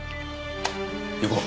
行こう。